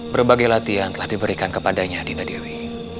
berbagai latihan telah diberikan kepadanya dinda dewi